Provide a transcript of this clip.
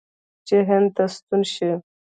چې هند ته ستون شي.